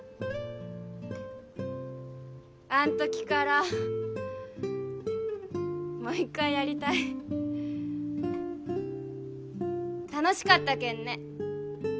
あん時からもう一回やりたい楽しかったけんね